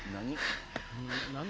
何？